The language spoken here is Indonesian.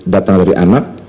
datang dari anak